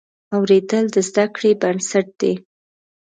اورېدل د زده کړې بنسټ دی.